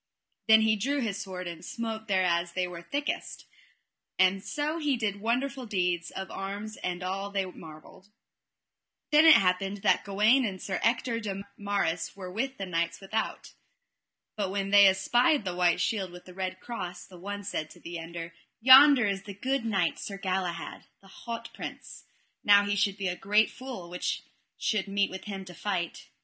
Then he drew his sword and smote thereas they were thickest, and so he did wonderful deeds of arms that all they marvelled. Then it happed that Gawaine and Sir Ector de Maris were with the knights without. But when they espied the white shield with the red cross the one said to the other: Yonder is the good knight, Sir Galahad, the haut prince: now he should be a great fool which should meet with him to fight.